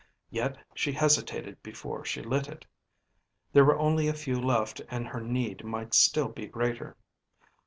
Yet she hesitated before she lit it; there were only a few left and her need might still be greater.